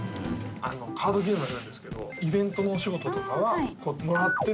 カードゲームやるんですけどイベントのお仕事とかはもらってる立場なんですよ。